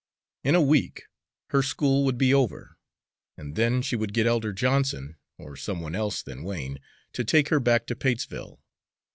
In a week her school would be over, and then she would get Elder Johnson, or some one else than Wain, to take her back to Patesville.